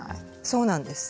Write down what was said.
そうなんです。